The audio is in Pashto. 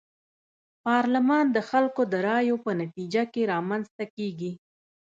پارلمان د خلکو د رايو په نتيجه کي رامنځته کيږي.